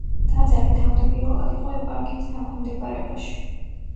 ტაძარი თავდაპირველად იყო ეპარქიის დაქვემდებარებაში.